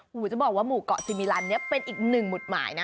หมูจะบอกว่าหมู่เกาะซีมิลันเนี่ยเป็นอีกหนึ่งหมุดหมายนะ